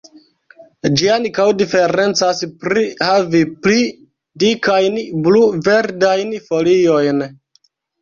Ĝi ankaŭ diferencas pri havi pli dikajn, blu-verdajn foliojn.